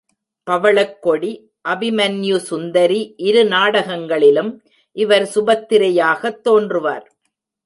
பவளக்கொடி, அபிமன்யுசுந்தரி இரு நாடகங்களிலும் இவர் சுபத்திரையாகத் தோன்றுவார்.